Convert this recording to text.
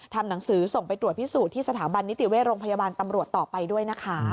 ทำหนังสือส่งไปตรวจพิสูจน์ที่สถาบันนิติเวชโรงพยาบาลตำรวจต่อไปด้วยนะคะ